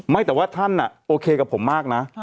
แต่ว่าท่านโอเคกับผมมากนะ